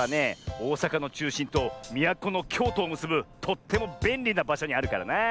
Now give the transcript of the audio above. おおさかのちゅうしんとみやこのきょうとをむすぶとってもべんりなばしょにあるからなあ。